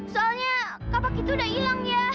soalnya kapak itu udah hilang ya